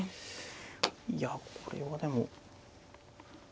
いやこれはでも。